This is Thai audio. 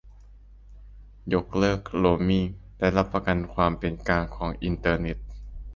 ยกเลิกโรมมิง และรับประกันความเป็นกลางของอินเทอร์เน็ต